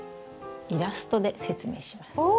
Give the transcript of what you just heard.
イラストで説明します。